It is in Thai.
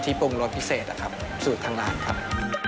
ปรุงรสพิเศษนะครับสูตรทางร้านครับ